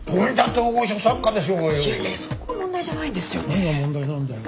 何が問題なんだよ。